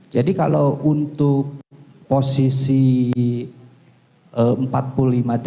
jadi kalau untuk posisinya di bawah itu ada